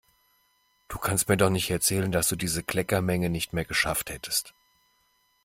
Du kannst mir doch nicht erzählen, dass du diese Kleckermenge nicht mehr geschafft hättest!